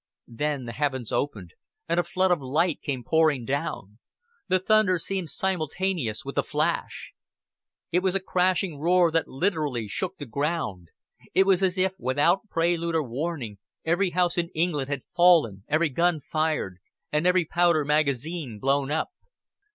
Then the heavens opened, and a flood of light came pouring down. The thunder seemed simultaneous with the flash. It was a crashing roar that literally shook the ground. It was as if, without prelude or warning, every house in England had fallen, every gun fired, and every powder magazine blown up.